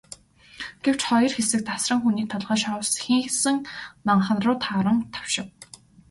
Гэвч хоёр хэсэг тасран, хүний толгой шовсхийсэн манхан руу таран давшив.